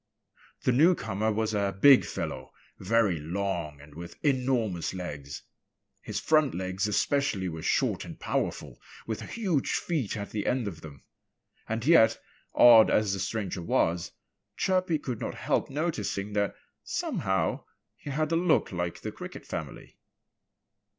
The newcomer was a big fellow, very long and with enormous legs. His front legs especially were short and powerful, with huge feet at the end of them. And yet, odd as the stranger was, Chirpy could not help noticing that somehow he had a look like the Cricket family.